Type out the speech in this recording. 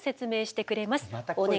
お願い！